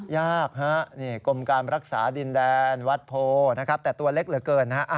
ยากฮะนี่กรมการรักษาดินแดนวัดโพแต่ตัวเล็กเหลือเกิน